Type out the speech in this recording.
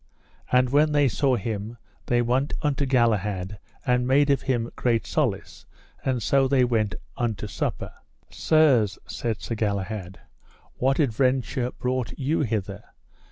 And when they saw him they went unto Galahad and made of him great solace, and so they went unto supper. Sirs, said Sir Galahad, what adventure brought you hither?